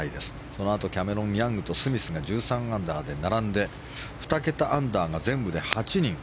そのあとキャメロン・ヤングとスミスが１３アンダーで並んで２桁アンダーが全部で８人。